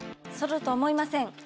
そろうと思いません。